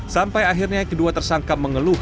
sampai akhirnya kedua tersangka mengeluh